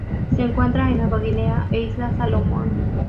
Se encuentra en Nueva Guinea e Islas Salomón.